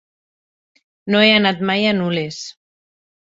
No he anat mai a Nules.